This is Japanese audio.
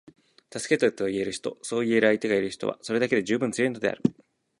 「助けて」と言える人，そう言える相手がいる人は，それだけで十分強いのである．